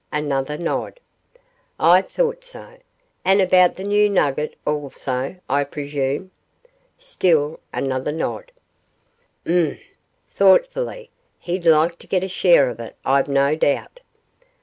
Another nod. 'I thought so; and about the new nugget also, I presume?' Still another nod. 'Humph,' thoughtfully. 'He'd like to get a share of it, I've no doubt.